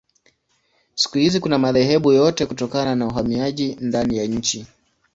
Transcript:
Siku hizi kuna madhehebu yote kutokana na uhamiaji ndani ya nchi.